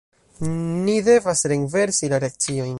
Ni devas renversi la reakcion!